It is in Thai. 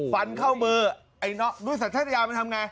ฟันเข้ามือไอ้น้องดุลศัตริยามันทำไง